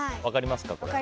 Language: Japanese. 分かります。